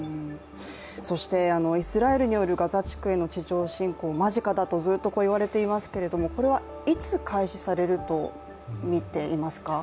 そしてイスラエルによるガザ地区への地上侵攻、間近だとずっと言われていますけれども現時点でこれはいつ開始されるとみていますか？